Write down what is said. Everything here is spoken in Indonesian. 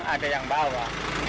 ada yang bawa